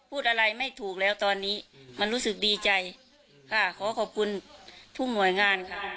พูดอะไรไม่ถูกแล้วตอนนี้มันรู้สึกดีใจค่ะขอขอบคุณทุกหน่วยงานค่ะ